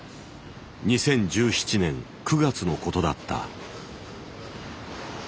２０１７年９月のことだった。